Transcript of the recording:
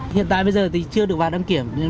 hiện tại bây giờ thì chưa được vào đăng kiểm